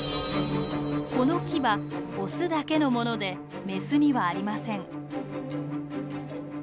このキバオスだけのものでメスにはありません。